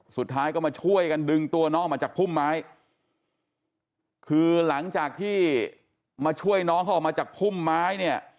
สุดท้ายก็มาช่วยกันดึงตัวน้องออกมาจากพุ่มไม้คือหลังจากที่มาช่วยน้องเขาออกมาจากพุ่มไม้เนี่ย